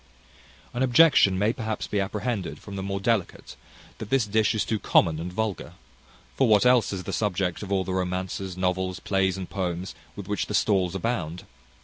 An objection may perhaps be apprehended from the more delicate, that this dish is too common and vulgar; for what else is the subject of all the romances, novels, plays, and poems, with which the stalls abound?